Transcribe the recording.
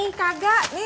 biar bang ojak kembali